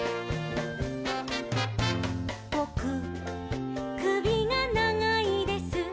「ぼくくびがながいです」